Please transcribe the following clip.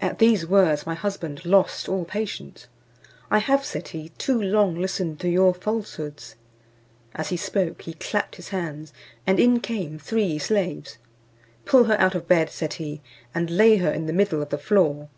At these words my husband lost all patience. "I have," said he, "too long listened to your falsehoods." As he spoke he clapped his hands, and in came three slaves: "Pull her out of bed," said he, "and lay her in the middle of the floor."